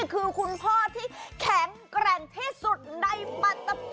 คุณพ่อที่แข็งแกร่งที่สุดในปฏิเสธ